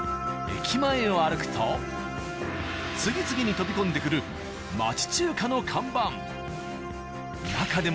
駅前を歩くと次々に飛び込んでくる町中華の看板。